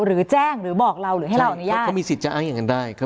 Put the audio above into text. หรือแจ้งหรือบอกเราหรือให้เราอนุญาตเขามีสิทธิ์อ้างอย่างนั้นได้